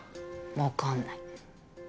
分かんない。